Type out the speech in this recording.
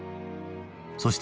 そして